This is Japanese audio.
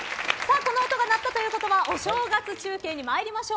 この音が鳴ったということはお正月中継に参りましょう。